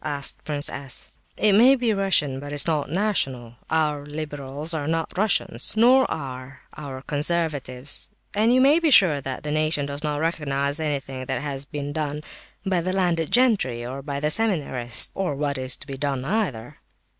asked Prince S. "It may be Russian, but it is not national. Our liberals are not Russian, nor are our conservatives, and you may be sure that the nation does not recognize anything that has been done by the landed gentry, or by the seminarists, or what is to be done either."